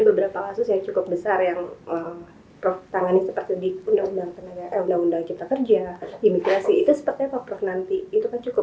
seperti di undang undang cipta kerja imigrasi